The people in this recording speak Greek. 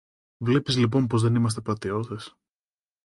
Βλέπεις λοιπόν πως δεν είμαστε πατριώτες.